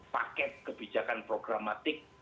paket kebijakan programmatik